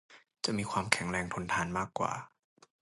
จะมีความแข็งแรงทนทานมากกว่า